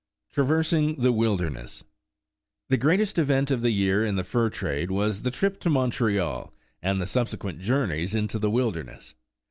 TRAVERSING THE WILDERNESS. THE greatest event of the year in the fur trade, was the trip to Montreal, and the subsequent journeys into the wilderness.